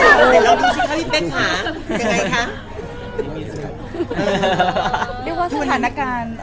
อเรนนี่มีมุมเม้นท์อย่างนี้ได้เห็นอีกไหมคะแล้วแต่สถานการณ์ค่ะแล้วแต่สถานการณ์ค่ะแล้วแต่สถานการณ์ค่ะ